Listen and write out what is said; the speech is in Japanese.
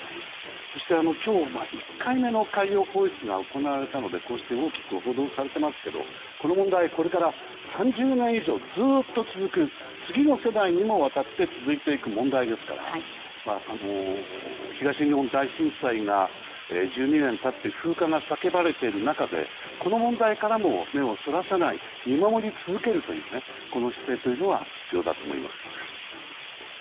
そして今日１回目の海洋放出が行われたのでこうして大きく報道されてますけどこの問題これから３０年以上ずっと続く次の世代にもわたって続いていく問題ですから東日本大震災が１２年経って風化が叫ばれている中でこの問題からも目をそらさない見守り続けるという姿勢は必要だと思います。